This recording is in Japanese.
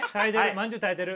まんじゅう耐えてる。